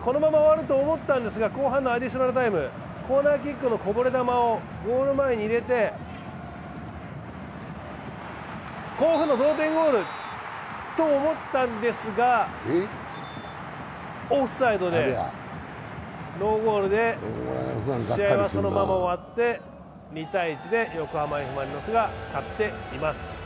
このまま終わると思ったんですが、コーナーキックのこぼれ球をゴール前に入れて甲府の同点ゴールと思ったんですが、オフサイドでノーゴールで試合はそのまま終わって２−１で横浜Ｆ・マリノスが勝っています。